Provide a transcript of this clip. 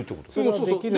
そうそう。